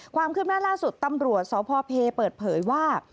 ความคืบหน้าล่าสุดตำรวจสพเพเปิดเผยว่า